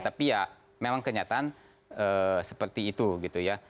tapi ya memang kenyataan seperti itu gitu ya